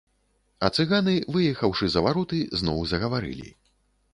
А цыганы, выехаўшы за вароты, зноў загаварылі.